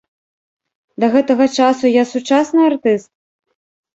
Да гэтага часу я сучасны артыст?